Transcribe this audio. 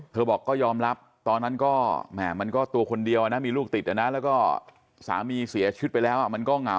บอกก็ยอมรับตอนนั้นก็แหม่มันก็ตัวคนเดียวนะมีลูกติดนะแล้วก็สามีเสียชีวิตไปแล้วมันก็เหงา